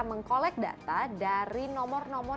mengkolek data dari nomor nomor